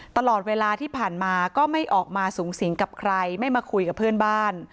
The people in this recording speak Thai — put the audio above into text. ตลอดเวลาที่ผ่านมาก็ไม่ออกมาสูงสิงกับใครไม่มาคุยกับเพื่อนบ้าน